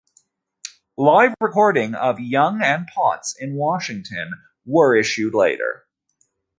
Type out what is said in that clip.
Live recording of Young and Potts in Washington were issued later.